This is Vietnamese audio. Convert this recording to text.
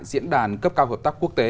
diễn đàn cấp cao hợp tác quốc tế